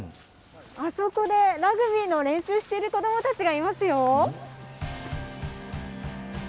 あそこでラグビーの練習している子どもたちがいますよ。